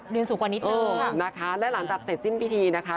สูงกว่านิดนึงนะคะและหลังจากเสร็จสิ้นพิธีนะคะ